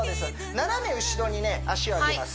斜め後ろにね脚を上げます